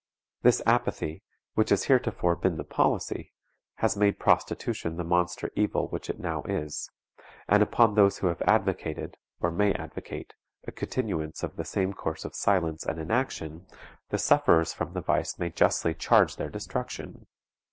This apathy, which has heretofore been the policy, has made prostitution the monster evil which it now is, and upon those who have advocated, or may advocate, a continuance of the same course of silence and inaction the sufferers from the vice may justly charge their destruction.